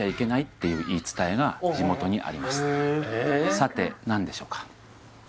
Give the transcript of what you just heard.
さて何でしょうか？